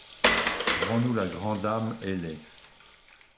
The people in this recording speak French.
Rends-nous la grande âme ailée